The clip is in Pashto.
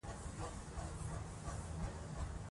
ایا انګریزان په دې اړه پوهېدل؟